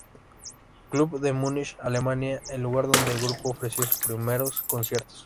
Club de Munich, Alemania, el lugar donde el grupo ofreció sus primeros conciertos.